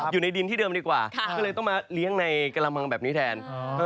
อยู่ในดินที่เดิมดีกว่าก็เลยต้องมาเลี้ยงในกระมังแบบนี้แทน